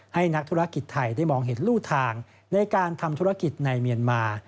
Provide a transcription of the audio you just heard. ให้นักธุรกิจไทยได้มองเห็นลู่ทางในการทำธุรกิจในเมียนมา